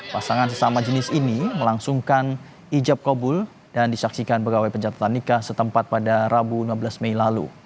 pasangan sesama jenis ini melangsungkan ijab kobul dan disaksikan pegawai pencatatan nikah setempat pada rabu enam belas mei lalu